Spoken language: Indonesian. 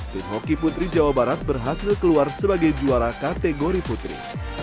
tim hoki putri jawa barat berhasil keluar sebagai juara kategori putri